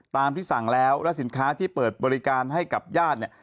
ที่สั่งแล้วและสินค้าที่เปิดบริการให้กับญาติเนี่ย